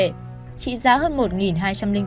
ý giá hơn một hai trăm linh bốn tỷ đồng